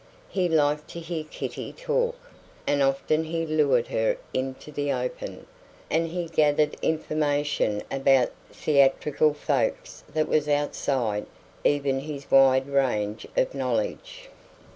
He liked to hear Kitty talk, and often he lured her into the open; and he gathered information about theatrical folks that was outside even his wide range of knowledge.